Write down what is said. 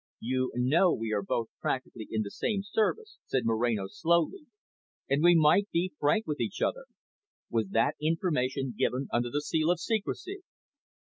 "You know we are both practically in the same service," said Moreno slowly, "and we might be frank with each other. Was that information given under the seal of secrecy?"